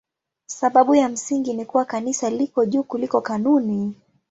Sababu ya msingi ni kuwa Kanisa liko juu kuliko kanuni.